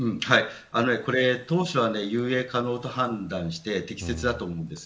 当初は遊泳可能と判断して適切だと思います。